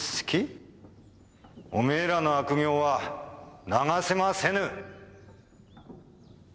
おめえらの悪行は流しませぬ！